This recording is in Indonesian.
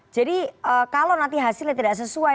kalau nanti hasilnya tidak sesuai